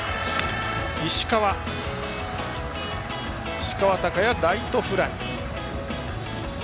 石川昂弥、ライトフライ。